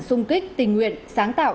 xung kích tình nguyện sáng tạo